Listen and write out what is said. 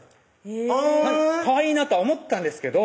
へぇかわいいなとは思ったんですけど